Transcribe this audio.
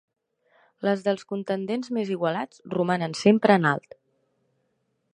Les dels contendents més igualats romanen sempre en alt.